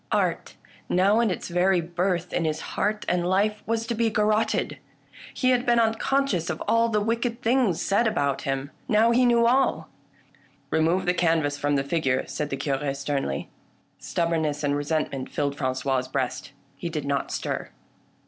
Art, now in its very birth in his heart and life, was to be garrotted. He had been unconscious of all the wicked things said about him : now he knew all !" Remove the canvas from the figure," said the Cure sternly. Stubbornness and resentment fiilled Frangois' breast. He did not stir.